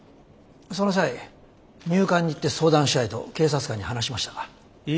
その際入管に行って相談したいと警察官に話しましたか？